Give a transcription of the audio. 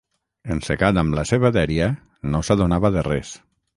Encegat amb la seva dèria, no s'adonava de res